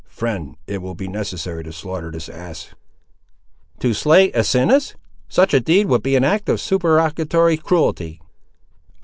"Friend, it will be necessary to slaughter this ass." "To slay Asinus! such a deed would be an act of supererogatory cruelty."